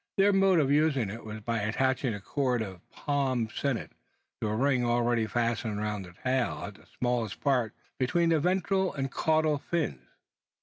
Their mode of using it was by attaching a cord of palm sennit to a ring already fastened round the tail, at the smallest part between the ventral and caudal fins.